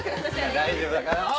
大丈夫だからあぁ！